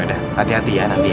yaudah hati hati ya nanti ya